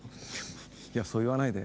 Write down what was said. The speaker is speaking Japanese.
いやそう言わないで。